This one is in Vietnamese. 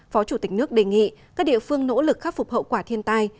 phó chủ tịch nước đề nghị các địa phương nỗ lực khắc phục hậu quả thiên tai